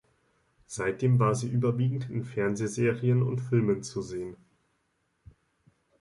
Seitdem war sie überwiegend in Fernsehserien und -filmen zu sehen.